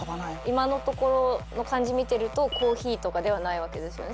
今のところの感じ見ているとコーヒーとかではないわけですよね。